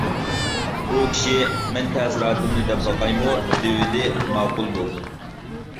ئۇ كىشى «مەن تەسىراتىمنى دەپ باقايمۇ؟ » دېۋىدى ماقۇل بولدۇم.